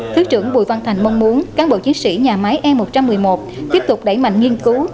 thứ trưởng bùi văn thành mong muốn cán bộ chiến sĩ nhà máy e một trăm một mươi một tiếp tục đẩy mạnh nghiên cứu